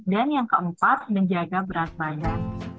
dan yang keempat menjaga berat badan